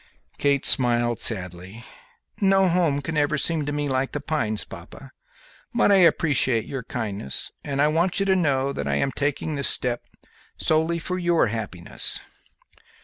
Kate smiled sadly. "No home can ever seem to me like The Pines, papa, but I appreciate your kindness, and I want you to know that I am taking this step solely for your happiness."